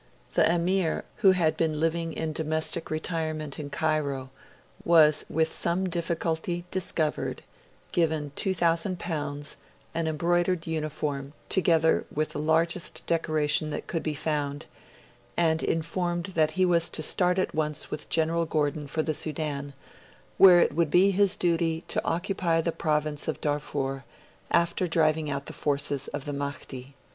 The Emir, who had been living in domestic retirement in Cairo, was with some difficulty discovered, given L2,000, an embroidered uniform, together with the largest decoration that could be found, and informed that he was to start at once with General Gordon for the Sudan, where it would be his duty to occupy the province of Darfur, after driving out the forces of the Mahdi.